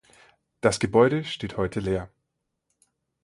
Das Gebäude steht heute leer.